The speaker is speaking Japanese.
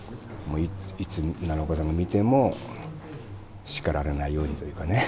いつ奈良岡さんが見ても叱られないようにというかね。